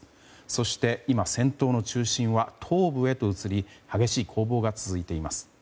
そして今、戦闘の中心は東部へと移り激しい攻防が続いています。